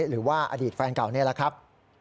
หรือว่าอดีตแฟนเก่านี่แหละครับ